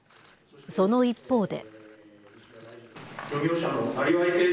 その一方で。